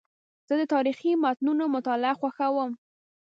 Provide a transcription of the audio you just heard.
زه د تاریخي متونو مطالعه خوښوم.